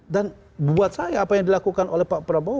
dan buat saya apa yang dilakukan oleh pak prabowo